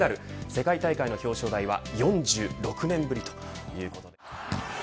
世界大会の表彰台は４６年ぶりということです。